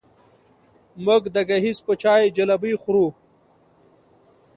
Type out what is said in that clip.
موږ د ګیځ په چای جلبۍ خورو.